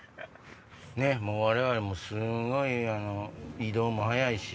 我々もすごい移動も早いし。